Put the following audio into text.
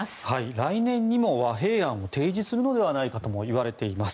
来年にも和平案を提示するのではないかともいわれています。